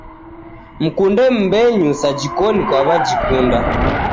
Mkunde mbenyuu sajikoni kwawajikunda